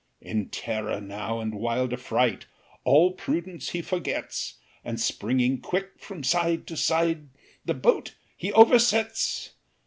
In terror now and wild affright, All prudence he forgets, And springing quick from side to side, The boat he oversets.